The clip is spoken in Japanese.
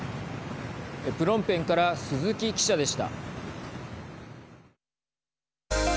プノンペンから鈴木記者でした。